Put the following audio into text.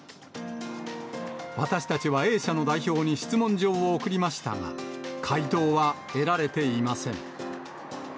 私たちはＡ社の代表に質問状を送りましたが、回答は得られていません。